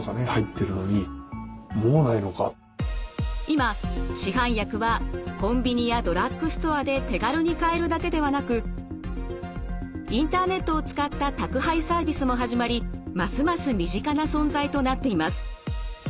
今市販薬はコンビニやドラッグストアで手軽に買えるだけではなくインターネットを使った宅配サービスも始まりますます身近な存在となっています。